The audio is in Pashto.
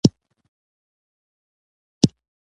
حتی د پخلي کتابونه هم په خط لیکل کېدل.